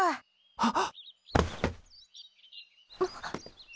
あっ。